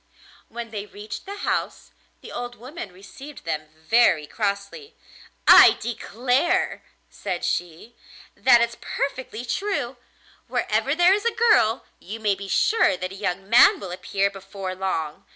When they reached the house the old woman received them very crossly. 'I declare,' said she, 'that it's perfectly true: wherever there is a girl you may be sure that a young man will appear before long!